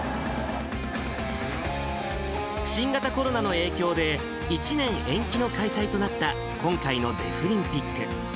新型コロナの影響で、１年延期の開催となった今回のデフリンピック。